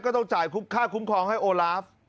ต้องจ่ายค่าคุ้มครองให้โอลาฟ